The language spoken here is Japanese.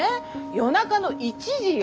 夜中の１時よ？